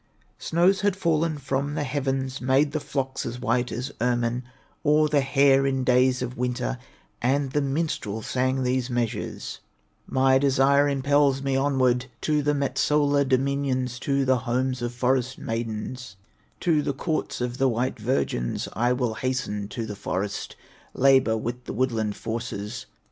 Snows had fallen from the heavens, Made the flocks as white as ermine Or the hare, in days of winter, And the minstrel sang these measures: "My desire impels me onward To the Metsola dominions, To the homes of forest maidens, To the courts of the white virgins; I will hasten to the forest, Labor with the woodland forces.